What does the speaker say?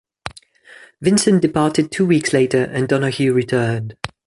Vincent departed two weeks later and Donahue returned.